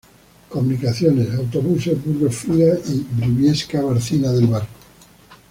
Comunicaciones: autobuses Burgos-Frías y Briviesca-Barcina del Barco.